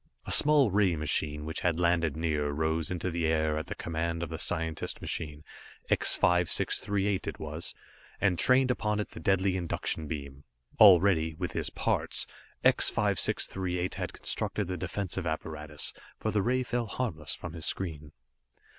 A small ray machine, which had landed near, rose into the air at the command of the scientist machine, X 5638 it was, and trained upon it the deadly induction beam. Already, with his parts, X 5638 had constructed the defensive apparatus, for the ray fell harmless from his screen.